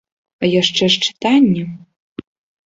А яшчэ ж чытанне.